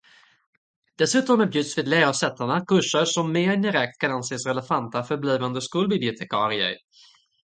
Dessutom erbjuds vid lärosätena kurser som mer indirekt kan anses relevanta för blivande skolbibliotekarier.